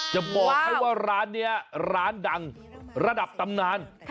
จะบอกให้ว่าร้านนี้ร้านดังระดับตำนาน